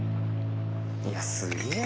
いやすげえな。